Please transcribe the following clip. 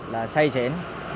là say xỉn